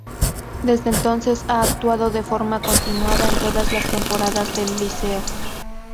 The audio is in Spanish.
Desde entonces ha actuado de forma continuada en todas las temporadas del Liceo.